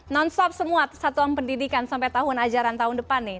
non stop semua satuan pendidikan sampai tahun ajaran tahun depan nih